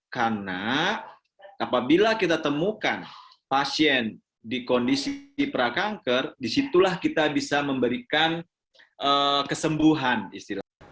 karena apabila kita temukan pasien di kondisi prakanker disitulah kita bisa memberikan kesembuhan istilahnya